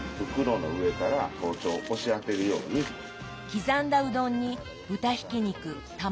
刻んだうどんに豚ひき肉卵